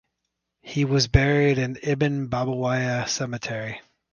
He was buried in Ibn Babawayh Cemetery.